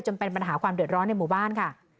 เป็นปัญหาความเดือดร้อนในหมู่บ้านค่ะ